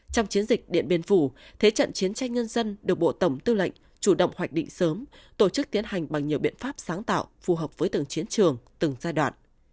trong chiến dịch điện biên phủ thế trận chiến tranh nhân dân được bộ tổng tư lệnh chủ động hoạch định sớm tổ chức tiến hành bằng nhiều biện pháp sáng tạo phù hợp với từng chiến trường từng giai đoạn